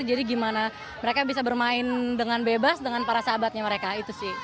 jadi gimana mereka bisa bermain dengan bebas dengan para sahabatnya mereka itu sih